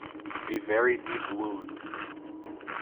A very deep wound.